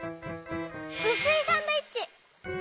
うすいサンドイッチ！